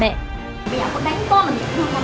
mẹ có đánh con là mẹ thương không